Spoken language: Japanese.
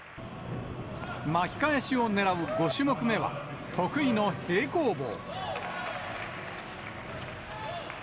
巻き返しをねらう５種目目は、得意の平行棒。